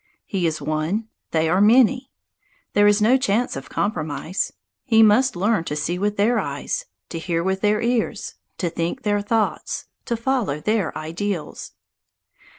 He is one, they are many; there is no chance of compromise. He must learn to see with their eyes, to hear with their ears, to think their thoughts, to follow their ideals.